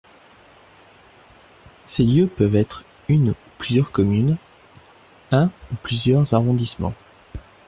Ces lieux peuvent être une ou plusieurs communes, un ou plusieurs arrondissements.